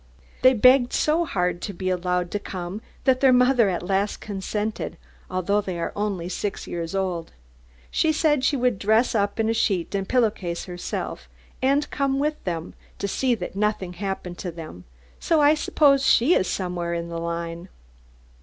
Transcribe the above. They begged so hard to be allowed to come that their mother at last consented, although they are only six years old. She said she would dress up in a sheet and pillow case herself, and come with them, to see that nothing happened to them, so I suppose she is somewhere in the line.